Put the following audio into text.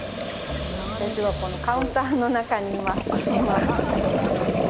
私はこのカウンターの中に今います。